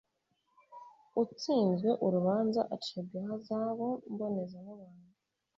utsinzwe urubanza acibwa ihazabu mbonezamubano